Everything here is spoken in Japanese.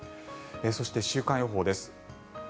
そして週間予報です。